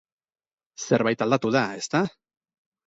Zerbait aldatu da, ezta?